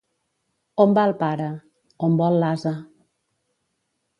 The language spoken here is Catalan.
On va el pare? On vol l'ase.